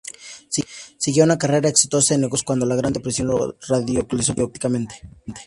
Seguía una carrera exitosa en negocios, públicos cuando la Gran Depresión lo radicalizó políticamente.